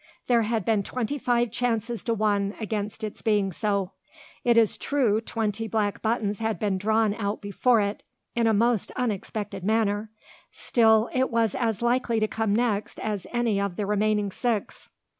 There had been twenty five chances to one against its being so. It is true twenty black buttons had been drawn out before it, in a most unexpected manner, still it was as likely to come next as any of the remaining six.